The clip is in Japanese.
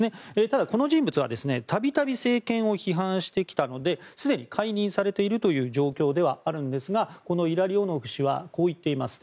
ただ、この人物は度々、政権を批判してきたのですでに解任されているという状況ではあるんですがこのイラリオノフ氏はこう言っています。